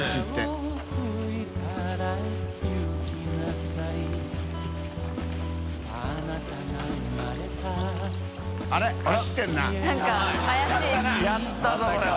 福やったぞこれは。